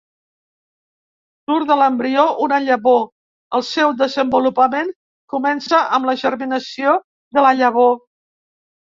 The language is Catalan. Surt de l'embrió d'una llavor, el seu desenvolupament comença amb la germinació de la llavor.